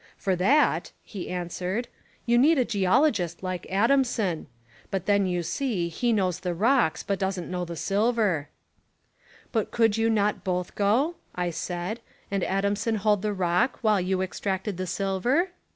"For that," he answered, "you need a geologist like Adamson; but then, you see, he knows the rocks, but doesn't know the sil ver." "But could you not both go," I said, "and Adamson hold the rock while you extract 33 Essays and Literary Studies ed the silver?"